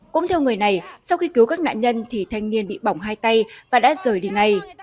cũng theo người này sau khi cứu các nạn nhân thì thanh niên bị bỏng hai tay và đã rời đi ngay